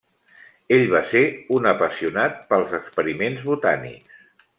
Ell va ser un apassionat pels experiments botànics.